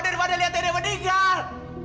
daripada lihat nenek meninggal